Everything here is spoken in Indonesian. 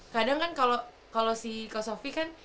kadang kan kalau si kak sophie kan